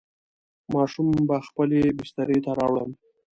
ماشوم به خپلې بسترې ته راوړم.